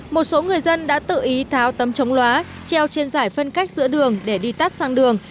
một số người dân đã tự ý tháo tấm chống loá treo trên giải phân cách giữa đường để đi tắt sang đường